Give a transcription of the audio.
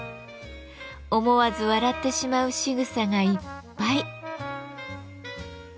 思わず笑ってしまうしぐさがいっぱい。